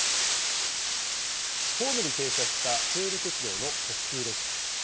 ホームに停車した西武鉄道の特急列車。